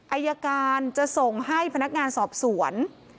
อายการจะส่งให้พนักงานสอบสวน